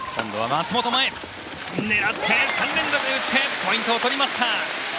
松本、３連続で打ってポイントを取りました。